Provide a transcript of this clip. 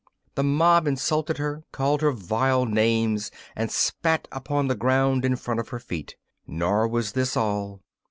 The mob insulted her, called her vile names and spat upon the ground in front of her feet. Nor was this all.